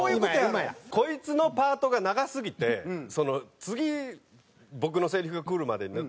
こいつのパートが長すぎて次僕のせりふがくるまで長いから。